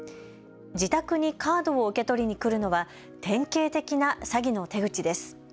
自宅にカードを受け取りに来るのは典型的な詐欺の手口です。